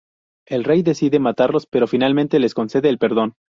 El rey decide matarlos, pero finalmente les concede el perdón.